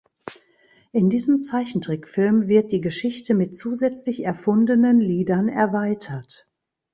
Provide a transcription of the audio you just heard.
In diesem Zeichentrickfilm wird die Geschichte mit zusätzlich erfundenen Liedern erweitert.